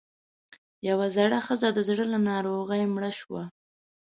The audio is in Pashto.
يوه زړه ښځۀ د زړۀ له ناروغۍ مړه شوه